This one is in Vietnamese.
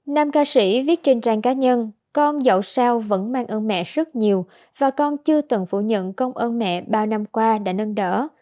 nam ca sĩ viết trên trang cá nhân con dẫu sao vẫn mang ơn mẹ rất nhiều và con chưa từng phủ nhận công ơn mẹ bao năm qua đã nâng đỡ